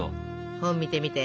本見てみて！